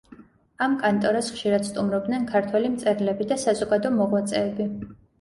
ამ კანტორას ხშირად სტუმრობდნენ ქართველი მწერლები და საზოგადო მოღვაწეები.